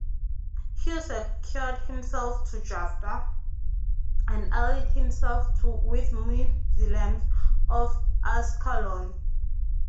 Hugh secured himself to Jaffa, and allied himself with the Muslims of Ascalon.